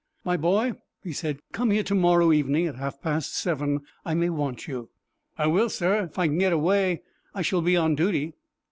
"My boy," he said, "come here to morrow evening at half past seven. I may want you." "I will, sir, if I can get away. I shall be on duty."